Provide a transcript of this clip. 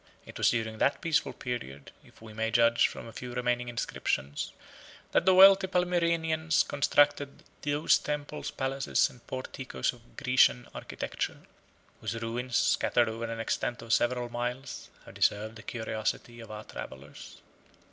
It was during that peaceful period, if we may judge from a few remaining inscriptions, that the wealthy Palmyrenians constructed those temples, palaces, and porticos of Grecian architecture, whose ruins, scattered over an extent of several miles, have deserved the curiosity of our travellers.